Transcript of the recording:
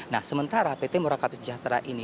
nah sementara pt murakabi sejahtera ini